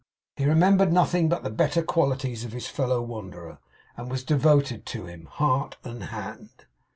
He remembered nothing but the better qualities of his fellow wanderer, and was devoted to him, heart and hand.